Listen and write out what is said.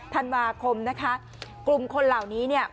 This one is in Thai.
ธันวาคมนะคะกลุ่มคนเหล่านี้เนี่ย